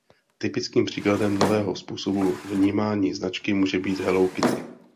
Typickým příkladem nového způsobu vnímání značky může být Hello Kitty.